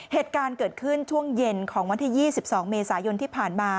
เหตุการณ์เกิดขึ้นช่วงเย็นของวันที่๒๒เมษายนที่ผ่านมา